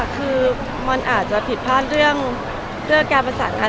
คือมันอาจจะผิดพลาดเรื่องการประสานพันธ